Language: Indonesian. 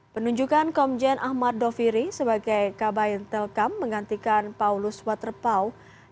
penunjukan komjen ahmad doviri sebagai kabain telkam menggantikan paulus waterpau